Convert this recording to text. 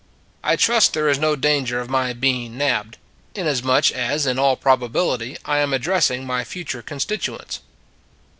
I trust there is no danger of my being nabbed, ... inasmuch as, in all proba bility, I am addressing my future constit uents."